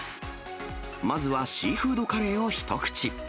まずはシーフードカレーを一口。